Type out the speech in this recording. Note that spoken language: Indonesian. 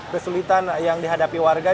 kesulitan yang dihadapi warga